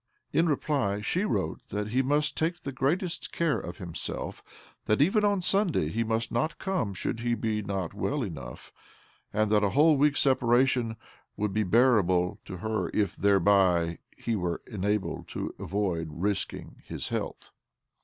In reply she wrote that he must take the greatest care of himself ; that even on Sunday he must not come should he not be well enough ; and that a whole week's separation would be bearable to her if thereby he were enabled to avoid risking his health.